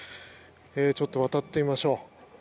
ちょっと渡ってみましょう。